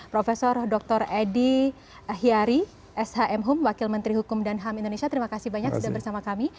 prof dr edi hiari shm hum wakil menteri hukum dan ham indonesia terima kasih banyak sudah bersama kami